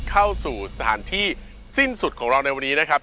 เข้าสู่สถานที่สิ้นสุดของเราในวันนี้นะครับ